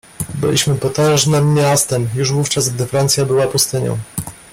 "Byliśmy potężnem miastem już wówczas, gdy Francja była pustynią."